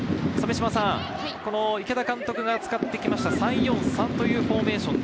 池田監督が使ってきた３−４−３というフォーメーション。